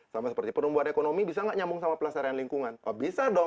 sama seperti pertumbuhan ekonomi bisa nggak nyambung sama pelestarian lingkungan oh bisa dong